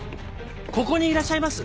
ここにいらっしゃいます。